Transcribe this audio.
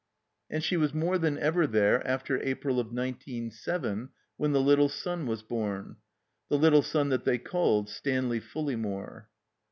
And she was more than ever there after April of nineteen seven, when the little son was bom. The little son that they called Stanley Ftdlejmiore.